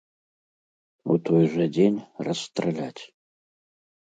У той жа дзень расстраляць!